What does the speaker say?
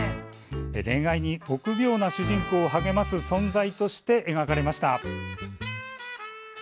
恋愛に臆病な主人公を励ます存在として描かれました。